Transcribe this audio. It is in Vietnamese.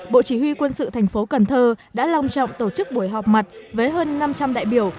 bộ chỉ huy quân sự tp cnh đã long trọng tổ chức buổi họp mặt với hơn năm trăm linh đại biểu